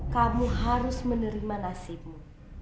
kamu harus menerima nasibmu